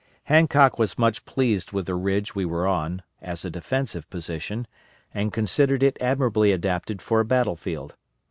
Hancock was much pleased with the ridge we were on, as a defensive position, and considered it admirably adapted for a battle field.